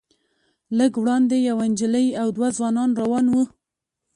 لږ وړاندې یوه نجلۍ او دوه ځوانان روان وو.